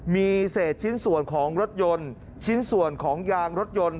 มีเศษชิ้นส่วนของรถยนต์ชิ้นส่วนของยางรถยนต์